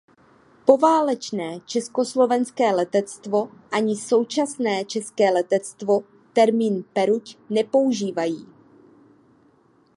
Poválečné československé letectvo ani současné české letectvo termín peruť nepoužívají.